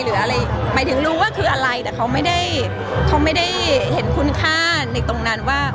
หมายถึงรู้ว่าคืออะไรแต่เขาไม่ได้เห็นคุณค่าในตรงนั้นว่า